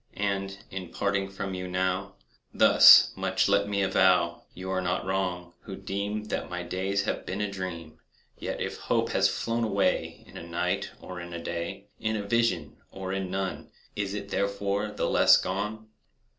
And, in parting from you now, Thus much let me avow— You are not wrong, who deem That my days have been a dream; Yet if hope has flown away In a night, or in a day, In a vision, or in none, Is it therefore the less gone?